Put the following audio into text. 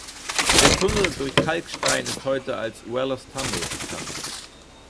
Der Tunnel durch Kalkstein ist heute als "Whalers Tunnel" bekannt.